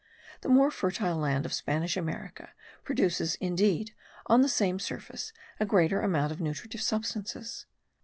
The more fertile land of Spanish America produces indeed on the same surface a greater amount of nutritive substances.